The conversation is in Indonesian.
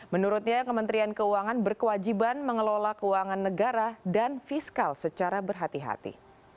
menurutnya kementerian keuangan berkewajiban mengelola keuangan negara dan fiskal secara berhati hati